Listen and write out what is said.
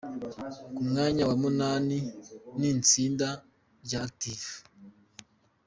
Ku mwanya wa munani n’itsinda rya Active.